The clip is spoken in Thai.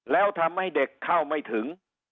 แล้วทำให้เด็กเข้าไม่ถึง